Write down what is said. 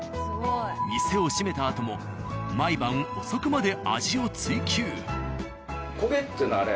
店を閉めたあとも毎晩遅くまで味を追求。